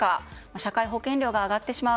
社会保険料が上がってしまう。